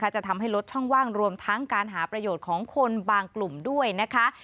จะทำให้ลดช่องว่างรวมทั้งการหาประโยชน์ของคนบางกลุ่มด้วยนะคะ